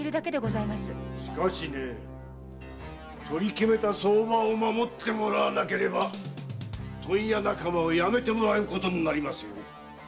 しかしねえ取り決めた相場を守ってもらわなければ問屋仲間を辞めてもらうことになりますよ。